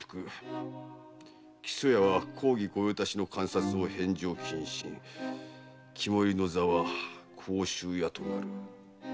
「木曽屋は公儀御用達の鑑札を返上謹慎」「肝煎の座は甲州屋となる」